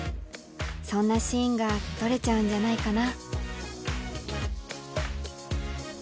そんなシーンが撮れちゃうんじゃないかな。